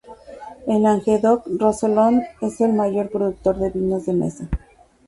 El Languedoc-Rosellón es el mayor productor de vinos de mesa.